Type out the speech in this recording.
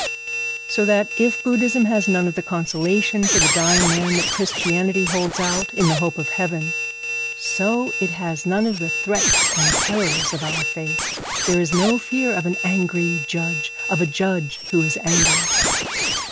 So that if Buddhism has none of the consolation for the dying man that Christianity holds out, in the hope of heaven, so it has none of the threats and terrors of our faith. There is no fear of an angry Judge of a Judge who is angry.